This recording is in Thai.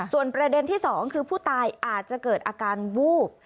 ส่วนประเด็นที่๒คือผู้ตายอาจจะเกิดอาการวูบ